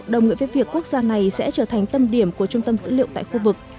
đồng nghĩa với việc quốc gia này sẽ trở thành tâm điểm của trung tâm dữ liệu tại khu vực